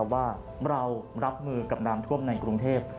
ว่าเรารับมือกับน้ำท่วมในกรุงเทพ